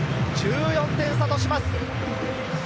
１４点差とします。